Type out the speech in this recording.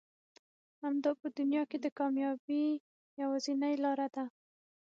همدا په دنيا کې د کاميابي يوازنۍ لاره ده.